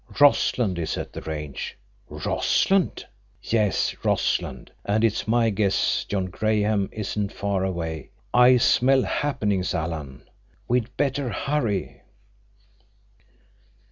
Rossland is at the range." "Rossland!" "Yes, Rossland. And it's my guess John Graham isn't far away. I smell happenings, Alan. We'd better hurry."